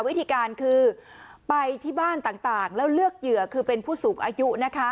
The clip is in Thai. วิธีการคือไปที่บ้านต่างแล้วเลือกเหยื่อคือเป็นผู้สูงอายุนะคะ